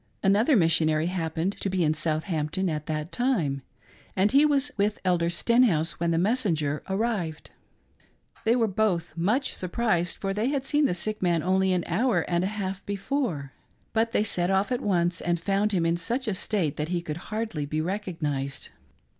Another missionary happened to be in Southampton at that time, and he was with Elder Sten house when the messenger arrived. They were both much surprised, for they had seen the sick man only an hour and a half before, but they set off at once, and " found him in such a state that he could hardly be recognised.